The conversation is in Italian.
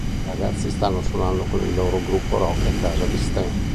I ragazzi stanno suonando con il loro gruppo rock a casa di Stan.